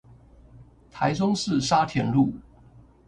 台中市沙田路